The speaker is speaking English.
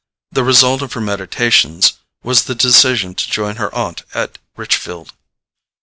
The result of her meditations was the decision to join her aunt at Richfield.